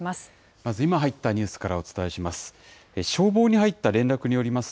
まず今入ったニュースからお伝えします。